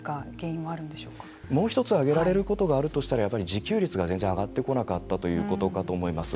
もう一つ挙げられることがあるとしたらやっぱり自給率が全然上がってこなかったということだと思います。